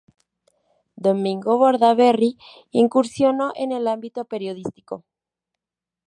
Domingo Bordaberry incursionó en el ámbito periodístico.